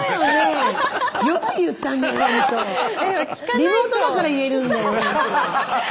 リモートだから言えるんだよ。